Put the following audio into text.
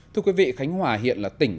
thưa quý vị khánh hòa hiện là tỉnh